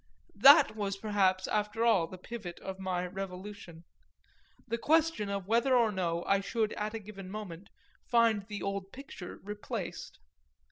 That was perhaps after all the pivot of my revolution the question of whether or no I should at a given moment find the old picture replaced.